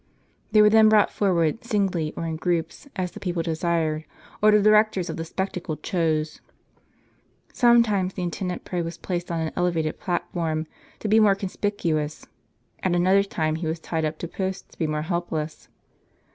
They were then brought for ward, singly or in groups, as the people desired, or the directors of the spectacle chose. Sometimes the intended prey was placed on an elevated platform to be more conspicuous ; at another time he was tied up to posts to be more helpless.